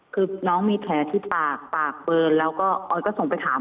คือน้องมีแผลที่ปากปากเบิร์นแล้วก็ออยก็ส่งไปถาม